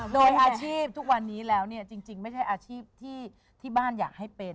โดยอาชีพทุกวันนี้แล้วเนี่ยจริงไม่ใช่อาชีพที่บ้านอยากให้เป็น